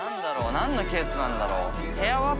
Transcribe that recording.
何のケースなんだろう？